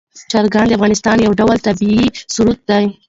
چرګان د افغانستان یو ډول طبعي ثروت دی.